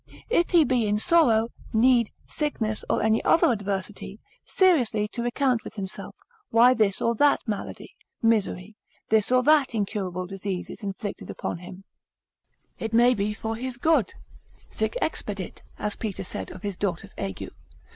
If he be in sorrow, need, sickness, or any other adversity, seriously to recount with himself, why this or that malady, misery, this or that incurable disease is inflicted upon him; it may be for his good, sic expedit as Peter said of his daughter's ague.